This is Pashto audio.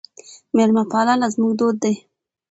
میلمه پالنه زموږ دود دی.